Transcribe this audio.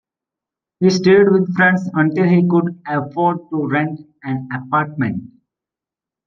He stayed with friends until he could afford to rent an apartment.